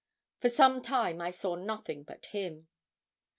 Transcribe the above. For some time I saw nothing but him.